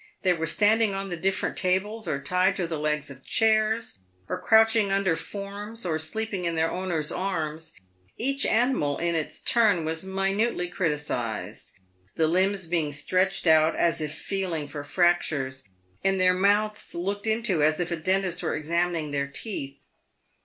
They were standing on the different tables, or tied to the legs of chairs, or crouching under forms, or sleeping in their owners' arms. Each animal in its turn was minutely la PAYED WITH GOLD. criticised, the limbs being stretched out as if feeling for fractures, and their mouths looked into as if a dentist were examining their teeth.